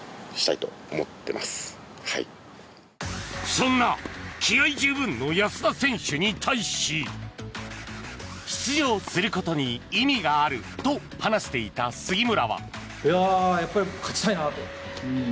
そんな気合十分の安田選手に対し出場することに意味があると話していた杉村は。